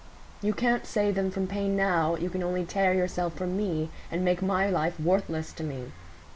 You can't save them from pain now; you can only tear yourself from me, and make my life worthless to me.